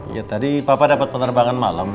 ya tadi papa dapat penerbangan malam